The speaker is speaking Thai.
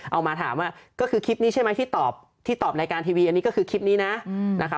เอามาถามว่าก็คือคลิปนี้ใช่ไหมที่ตอบที่ตอบรายการทีวีอันนี้ก็คือคลิปนี้นะนะคะ